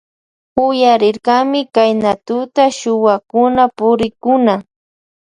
Uyarirkami Kayna tuta chuwakuna purikkuna.